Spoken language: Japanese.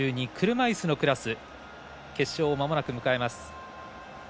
車いすのクラス決勝、まもなく迎えます。